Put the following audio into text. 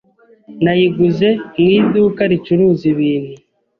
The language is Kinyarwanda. Nayiguze mu iduka ricuruza ibintu